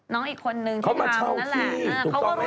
น้องอีกคนนึงที่ทำนั่นแหละเค้าก็มาชอบพี่